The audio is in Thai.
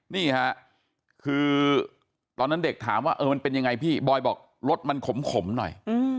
นี่ค่ะคือตอนนั้นเด็กถามว่ามันเป็นยังไงพี่บอยบอกรสมันขมหน่อย